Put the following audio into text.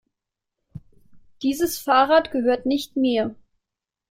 Dieses Fahrrad gehört nicht mir.